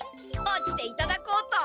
落ちていただこうと。